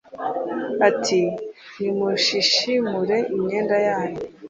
ati “Nimushishimure imyenda yanyu